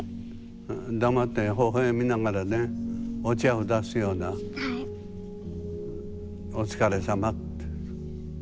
黙ってほほえみながらねお茶を出すようなお疲れさまって。